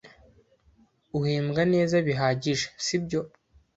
Uhembwa neza bihagije, sibyo?